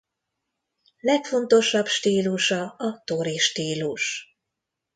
Legfontosabb stílusa a Tori stílus.